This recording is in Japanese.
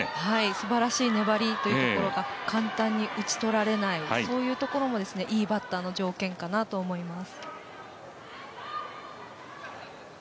すばらしい粘りというところが簡単に打ち取られないそういうところも、いいバッターの条件かなと思います。